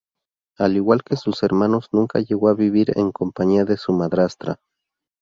Al igual que sus hermanos, nunca llegó a vivir en compañía de su madrastra.